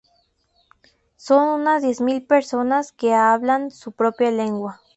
Son unas diez mil personas que hablan su propia lengua.